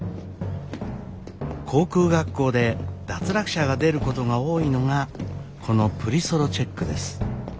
航空学校で脱落者が出ることが多いのがこのプリソロチェックです。